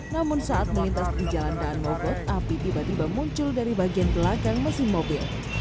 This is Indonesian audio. namun saat melintas di jalan daan mogot api tiba tiba muncul dari bagian belakang mesin mobil